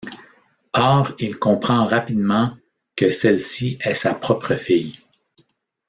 Or, il comprend rapidement que celle-ci est sa propre fille.